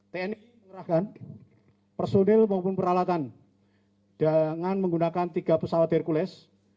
tni mengerahkan personil maupun peralatan dengan menggunakan tiga pesawat hercules